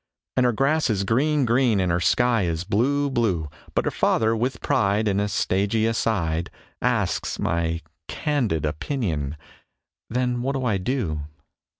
And her grass is green green and her sky is blue blue, But her father, with pride, In a stagey aside Asks my "candid opinion." Then what do I do?